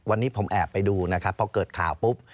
วันนี้ผมแอบไปดูพอเกิดข่าว